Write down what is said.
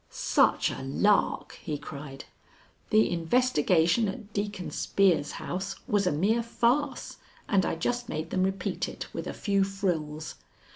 "Such a lark!" he cried. "The investigation at Deacon Spear's house was a mere farce, and I just made them repeat it with a few frills.